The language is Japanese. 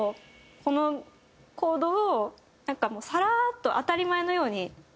このコードをなんかもうサラッと当たり前のように使って。